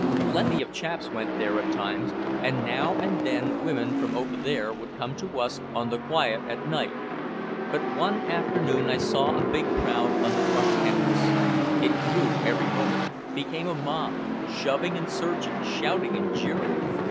Plenty of chaps went there at times, and now and then women from over there would come to us on the quiet at night. But one afternoon I saw a big crowd on the front campus. It grew every moment, became a mob, shoving and surging, shouting and jeering.